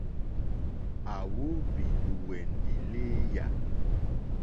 À wóhwì lùwɛ̀ndì lééyà.